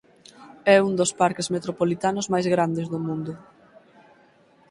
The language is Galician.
É un dos parques metropolitanos máis grandes do mundo.